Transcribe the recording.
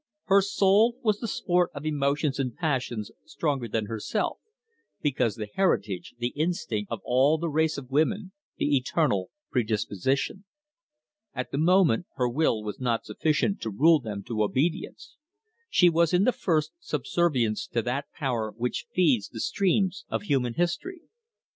Her soul was the sport of emotions and passions stronger than herself, because the heritage, the instinct, of all the race of women, the eternal predisposition. At the moment her will was not sufficient to rule them to obedience. She was in the first subservience to that power which feeds the streams of human history.